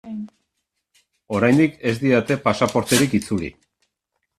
Oraindik ez didate pasaporterik itzuli.